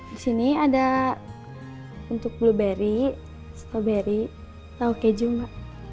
disini ada untuk blueberry strawberry tau keju mbak